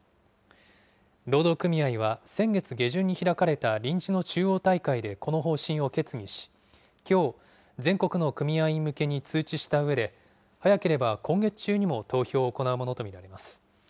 労働組合は先月下旬に開かれた臨時の中央大会でこの方針を決議し、きょう、全国の組合員向けに通知したうえで、早ければ今月中にも投票を行うものと見られます。